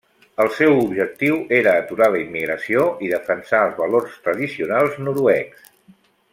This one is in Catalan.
El seu objectiu era aturar la immigració i defensar els valors tradicionals noruecs.